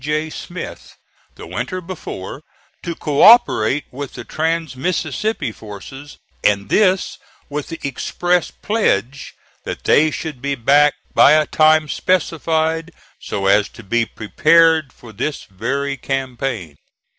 J. Smith, the winter before, to co operate with the trans Mississippi forces, and this with the express pledge that they should be back by a time specified, so as to be prepared for this very campaign.